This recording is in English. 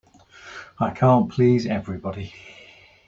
I can't please everybody.